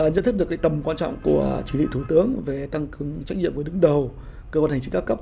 nhận thức được tầm quan trọng của chỉ thị thủ tướng về tăng cường trách nhiệm của đứng đầu cơ quan hành chính các cấp